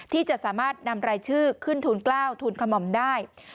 ที่จะสามารถนำรายชื่อขึ้นทูลกล้าวทูลขม่อมได้